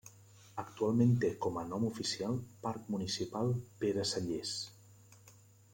Actualment té com a nom oficial Parc Municipal Pere Sallés.